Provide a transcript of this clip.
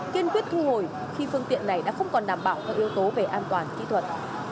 kiên quyết thu hồi khi phương tiện này đã không còn đảm bảo các yếu tố về an toàn kỹ thuật